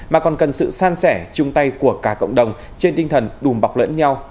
mà còn cần sự san sẻ chung tay của cả cộng đồng trên tinh thần đùm bọc lẫn nhau